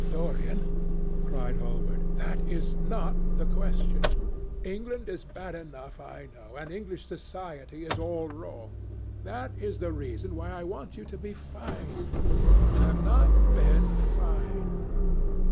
"Dorian," cried Hallward, "that is not the question. England is bad enough I know, and English society is all wrong. That is the reason why I want you to be fine. You have not been fine.